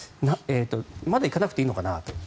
まだ行かなくていいのかなと。